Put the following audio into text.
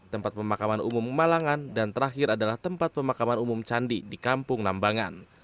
tempat pemakaman umum malangan dan terakhir adalah tempat pemakaman umum candi di kampung nambangan